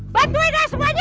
bantuin lah semuanya